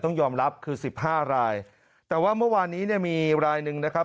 ต้องยอมรับคือ๑๕รายแต่ว่าเมื่อวานนี้มีรายนึงนะครับ